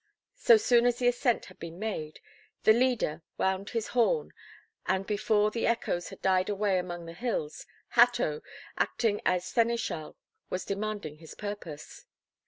So soon as the ascent had been made, the leader wound his horn, and, before the echoes had died away among the hills, Hatto, acting as seneschal, was demanding his purpose.